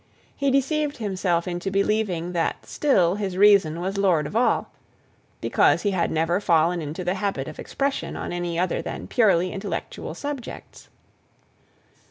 He deceived himself into believing that still his reason was lord of all, because he had never fallen into the habit of expression on any other than purely intellectual subjects.